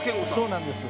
そうなんです。